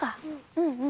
うんうん。